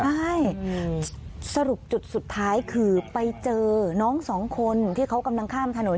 ใช่สรุปจุดสุดท้ายคือไปเจอน้องสองคนที่เขากำลังข้ามถนน